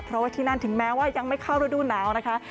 เพราะว่าที่นั่นถึงแม้ว่ายังไม่เข้าระดูหนาวนะคะ